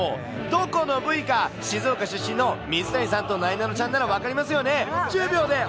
どこの部位か、静岡出身の水谷さんとなえなのちゃんなら分かりますよね。